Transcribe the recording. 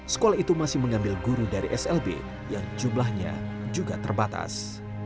sekolah itu masih mengambil guru dari slb yang jumlahnya juga terbatas